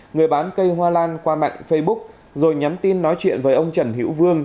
người bán cây hoa lan qua mạng facebook rồi nhắn tin nói chuyện với ông trần hữu vương